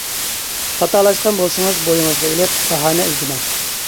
خاتالاشقان بولسىڭىز بويىڭىزغا ئېلىپ، باھانە ئىزدىمەڭ.